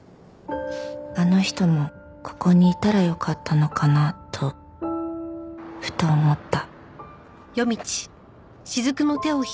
あの人もここにいたらよかったのかなとふと思った